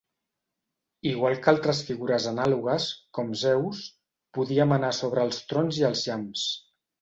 Igual que altres figures anàlogues, com Zeus, podia manar sobre els trons i els llamps.